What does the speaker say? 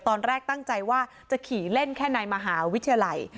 ตอนแรกตั้งใจว่าจะขี่เล่นแค่ในมหาวิทยาลัย